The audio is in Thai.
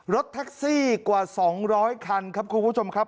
รถแท็กซี่กว่า๒๐๐คันครับคุณผู้ชมครับ